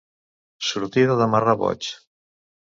Sortida de marrà boig.